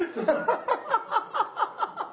ハハハハハ！